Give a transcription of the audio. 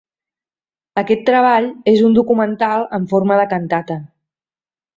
Aquest treball és un documental en forma de cantata.